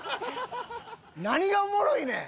何がおもろいねん！